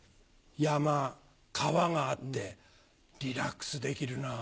山川があってリラックスできるなぁ。